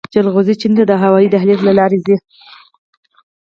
جلغوزي چین ته د هوايي دهلیز له لارې ځي